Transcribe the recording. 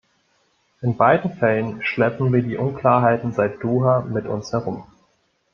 In beiden Fällen schleppen wir die Unklarheiten seit Doha mit uns herum.